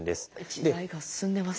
時代が進んでますね。